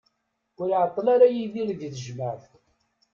Ur iɛeṭṭel ara Yidir di tejmaɛt.